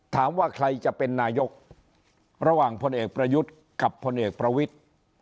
ถามว่าใครจะเป็นนายกระหว่างพลเอกประยุทธ์กับพลเอกประวิทธิ์